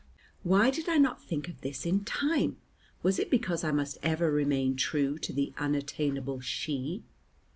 Why did I not think of this in time? Was it because I must ever remain true to the unattainable she?